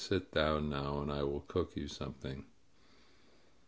^^Sit down now, and I will cook you something."